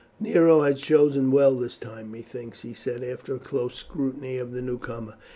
"Nero has chosen well this time, methinks," he said after a close scrutiny of the newcomer.